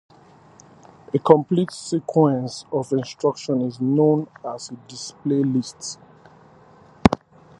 A complete sequence of instructions is known as a Display List.